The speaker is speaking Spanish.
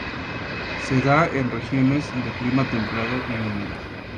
Se da en regiones de clima templado y húmedo.